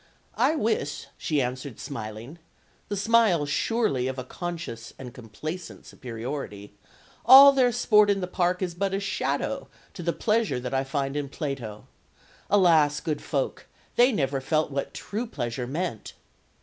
] "I wis," she answered smiling the smile, surely, of conscious and complacent superiority "all their sport in the Park is but a shadow to the pleasure that I find in Plato. Alas, good folk, they never felt what true pleasure meant."